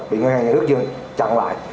bị ngân hàng nhà nước dân chặn lại